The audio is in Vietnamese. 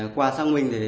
qua sáng binh